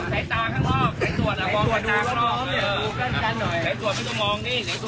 แม็กซ์ถ่ายยัง